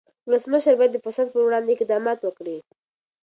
ولسمشر باید د فساد پر وړاندې اقدامات وکړي.